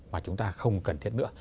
mà chúng ta không cần thiết kế